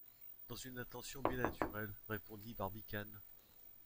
Dans une intention bien naturelle! répondit Barbicane.